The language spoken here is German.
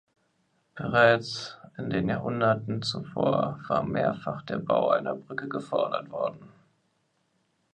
Bereits in den Jahrhunderten zuvor war mehrfach der Bau einer Brücke gefordert worden.